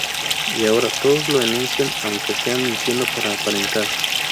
Y ahora todos lo enuncian, aunque sea mintiendo para aparentar.